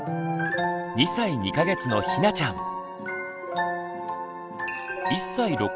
２歳２か月のひなちゃん。